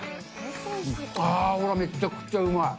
ああ、これ、めちゃくちゃうまい。